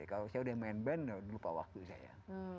kalau saya udah main band lupa waktu saya